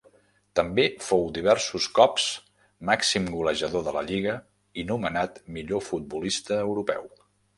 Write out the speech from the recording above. També fou diversos cops màxim golejador de la lliga i nomenat millor futbolista europeu.